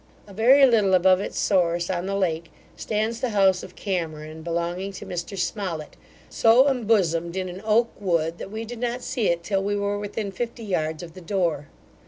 A very little above its source, on the lake, stands the house of Cameron, belonging to Mr Smollett, so embosomed in an oak wood, that we did not see it till we were within fifty yards of the door.